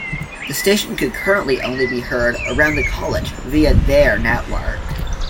The station could currently only be heard around the college via their network.